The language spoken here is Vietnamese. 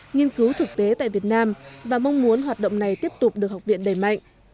nghiên cứu thực tế tại việt nam và mong muốn hoạt động này tiếp tục được học viện đầy mạnh